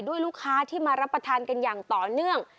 ลูกค้าที่มารับประทานกันอย่างต่อเนื่อง